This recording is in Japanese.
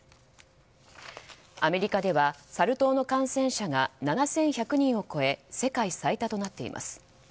アメリカではサル痘の感染者が７１００人を超え世界最多となっています。